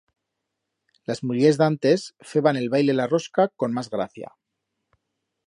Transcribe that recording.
Las mullers d'antes feban el baile la rosca con mas gracia.